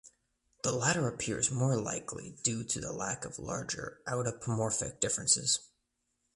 The latter appears more likely due to the lack of larger autapomorphic differences.